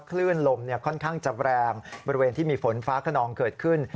คลื่นลมค่อนข้างจะแรงบริเวณที่มีฝนฟ้าขนองเกิดขึ้น